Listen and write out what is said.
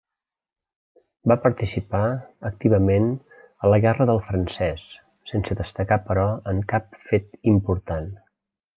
Va participar activament a la Guerra del francès, sense destacar però en cap fet important.